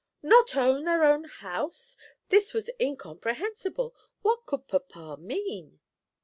Not own their own house! This was incomprehensible. What could papa mean?